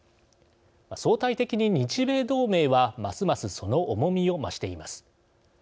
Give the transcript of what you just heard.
相対的に日米同盟はますますその重みを増しています。